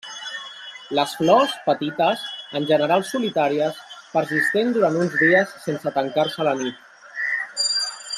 Les flors, petites, en general solitàries, persistent durant uns dies sense tancar-se a la nit.